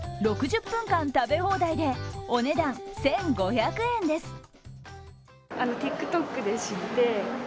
６０分間食べ放題で、お値段１５００円です。